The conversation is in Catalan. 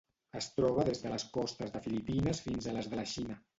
Es troba des de les costes de Filipines fins a les de la Xina.